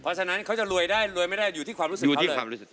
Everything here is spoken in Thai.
เพราะฉะนั้นเขาจะรวยได้รวยไม่ได้อยู่ที่ความรู้สึกเขาเลย